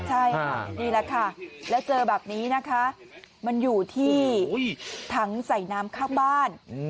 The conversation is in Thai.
ใช่ค่ะนี่แหละค่ะแล้วเจอแบบนี้นะคะมันอยู่ที่ถังใส่น้ำข้างบ้าน